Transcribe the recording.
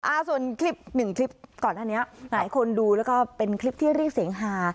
อ่าส่วนคลิปหนึ่งคลิปก่อนหน้านี้หลายคนดูแล้วก็เป็นคลิปที่เรียกเสียงฮา